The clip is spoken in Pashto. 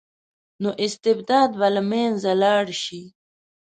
نو استبداد به له منځه لاړ شي.